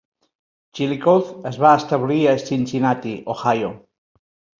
"Chillicothe" es va establir a Cincinnati, Ohio.